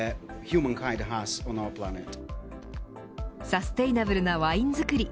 サステイナブルなワイン造り